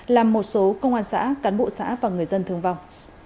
làm một số công an xã cán bộ xã và người dân thương vong